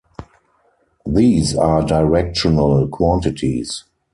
These are "directional" quantities.